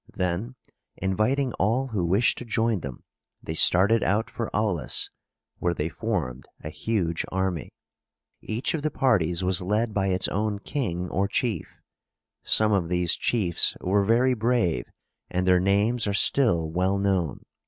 Then, inviting all who wished to join them, they started out for Aulis, where they formed a huge army. Each of the parties was led by its own king or chief. Some of these chiefs were very brave, and their names are still well known.